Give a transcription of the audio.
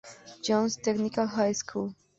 John's Technical High School.